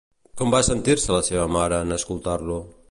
Com va sentir-se la seva mare en escoltar-lo?